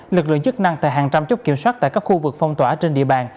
lực lượng chức năng tại hàng trăm chốt kiểm soát tại các khu vực phong tỏa trên địa bàn